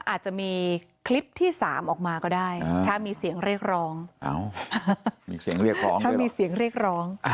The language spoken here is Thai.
อาจจะมีคลิปที่สามออกมาก็ได้ถ้ามีเสียงเรียกร้อง